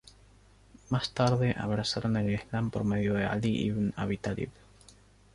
Más tarde, abrazaron el Islam por medio de Ali Ibn Abi Talib.